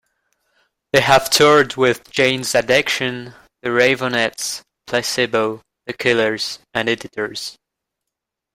They have toured with Jane's Addiction, The Raveonettes, Placebo, The Killers, and Editors.